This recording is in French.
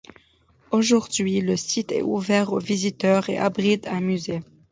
Aujourd'hui le site est ouvert aux visiteurs et abrite un musée.